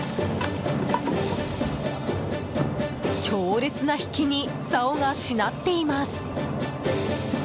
強烈な引きにさおが、しなっています。